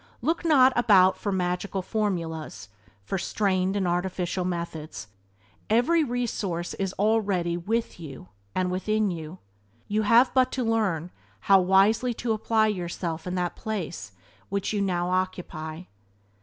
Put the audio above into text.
Look not about for magical formulas, for strained and artificial methods. Every resource is already with you and within you. You have but to learn how wisely to apply yourself in that place which you now occupy.